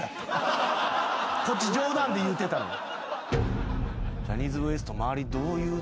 こっち冗談で言うてたのに。